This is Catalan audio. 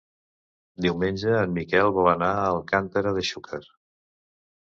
Diumenge en Miquel vol anar a Alcàntera de Xúquer.